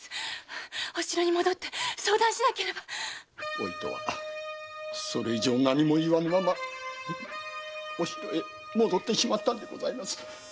お糸はそれ以上何も言わぬままお城へ戻ってしまったのです。